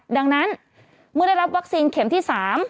ดังนั้นเมื่อได้รับวัคซีนเข็มที่๓